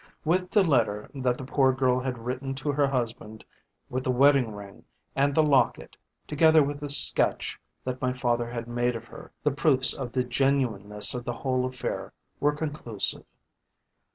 With the letter that the poor girl had written to her husband, with the wedding ring and the locket, together with the sketch that my father had made of her, the proofs of the genuineness of the whole affair were conclusive.